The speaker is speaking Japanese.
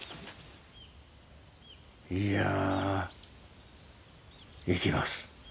いや行きます。